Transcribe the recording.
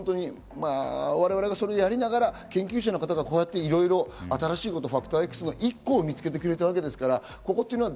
我々がそれをやりながら研究者の方がこうやっていろいろ新しいこと、ファクターＸの１個を見つけてくれたわけですから。